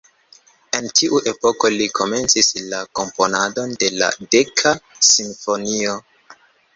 En tiu epoko, li komencis la komponadon de la "Deka Simfonio".